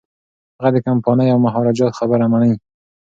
هغه د کمپانۍ او مهاراجا خبره مني.